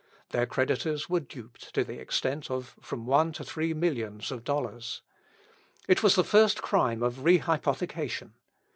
Their creditors were duped to the extent of from one to three millions of dollars. It was the first crime of "rehypothecation."